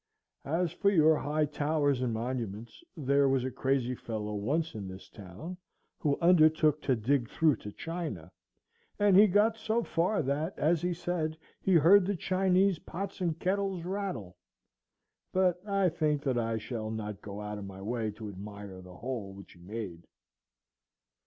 As for your high towers and monuments, there was a crazy fellow once in this town who undertook to dig through to China, and he got so far that, as he said, he heard the Chinese pots and kettles rattle; but I think that I shall not go out of my way to admire the hole which he made.